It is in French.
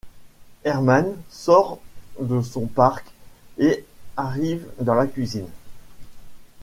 Herman sort de son parc et arrive dans la cuisine.